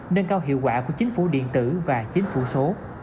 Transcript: nâng cao hiệu quả của chính phủ điện tử và chính phủ số